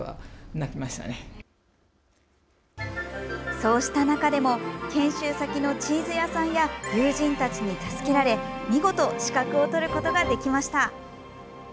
そうした中でも研修先のチーズ屋さんや友人たちに助けられ、見事資格を取ることができました。